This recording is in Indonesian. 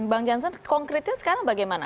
bank janssen konkretnya sekarang bagaimana